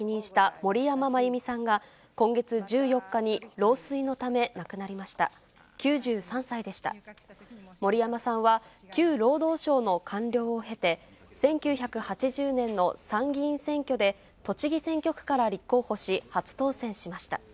森山さんは旧労働省の官僚を経て、１９８０年の参議院選挙で栃木選挙区から立候補し、初当選しました。